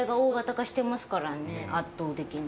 圧倒的に。